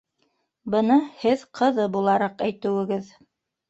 Быны һеҙ ҡыҙы булараҡ әйтеүегеҙ.